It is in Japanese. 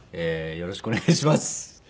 よろしくお願いします。